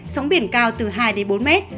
sóng biển cao từ hai bốn mét